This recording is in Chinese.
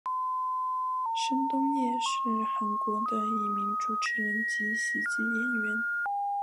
申东烨是韩国的一名主持人及喜剧演员。